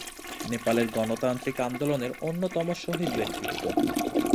নেপালের গণতান্ত্রিক আন্দোলনের অন্যতম শহীদ ব্যক্তিত্ব।